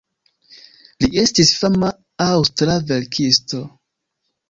Li estis fama aŭstra verkisto.